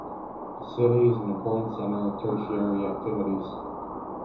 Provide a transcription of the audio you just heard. The city is an important center of tertiary activities.